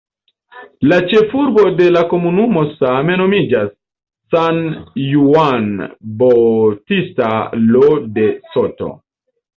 La ĉefurbo de la komunumo same nomiĝas "San Juan Bautista Lo de Soto".